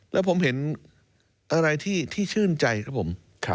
แล้วผมเห็นอะไรที่ชื่นใจครับผม